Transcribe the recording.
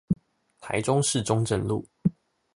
台中市中正路